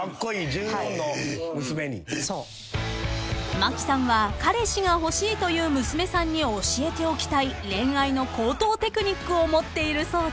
［真木さんは彼氏が欲しいという娘さんに教えておきたい恋愛の高等テクニックを持っているそうで］